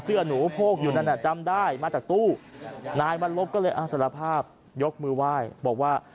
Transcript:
หนูโพกอยู่นั่นน่ะจำได้มาจากตู้นายบรรลบก็เลยสารภาพยกมือไหว้บอกว่า